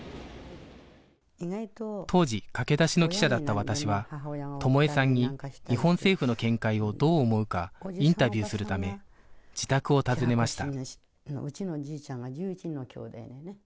当時駆け出しの記者だった私は友枝さんに日本政府の見解をどう思うかインタビューするため自宅を訪ねました